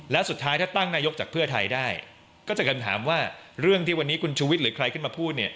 แล้วสุดท้ายถ้าตั้งนายกจากเพื่อไทยได้ก็จะคำถามว่าเรื่องที่วันนี้คุณชูวิทย์หรือใครขึ้นมาพูดเนี่ย